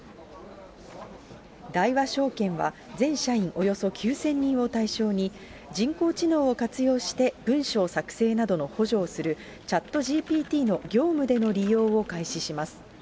大和証券は全社員およそ９０００人を対象に、人工知能を活用して文書作成などの補助をするＣｈａｔＧＰＴの業務での利用を開始します。